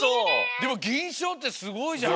でもぎんしょうってすごいじゃん。